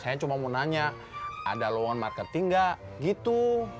saya cuma mau nanya ada loan marketing nggak gitu